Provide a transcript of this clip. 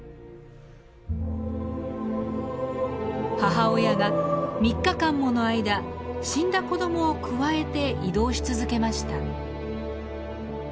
母親が３日間もの間死んだ子どもをくわえて移動し続けました。